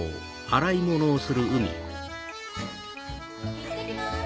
・いってきます！